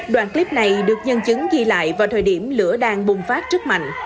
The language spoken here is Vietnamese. đoạn clip này được nhân chứng ghi lại vào thời điểm lửa đang bùng phát rất mạnh